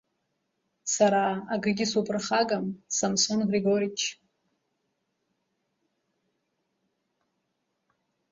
Сара акгьы суԥырхагам, Самсон Григорич.